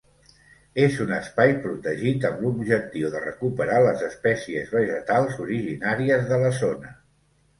És un espai protegit amb l'objectiu de recuperar les espècies vegetals originàries de la zona.